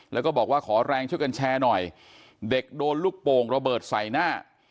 แล้วก็บอกว่าขอแรงช่วยกันแชร์หน่อยเด็กโดนลูกโป่งระเบิดใส่หน้า